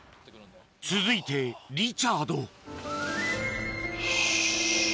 続いてリチャードよし。